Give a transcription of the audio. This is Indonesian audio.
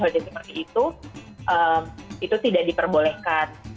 jadi seperti itu itu tidak diperbolehkan